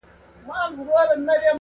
• له دې زړو نه ښې ډبري د صحرا وي,